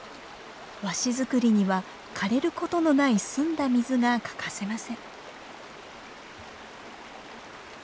和紙作りにはかれることのない澄んだ水が欠かせません。